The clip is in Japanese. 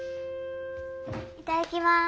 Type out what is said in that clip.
いただきます。